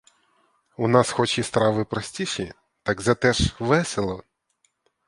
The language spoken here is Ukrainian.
У нас хоч і страви простіші, так зате ж весело!